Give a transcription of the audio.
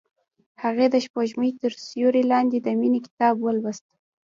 هغې د سپوږمۍ تر سیوري لاندې د مینې کتاب ولوست.